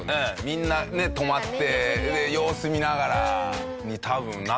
みんなね止まって様子見ながらに多分なってる。